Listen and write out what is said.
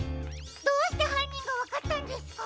どうしてはんにんがわかったんですか？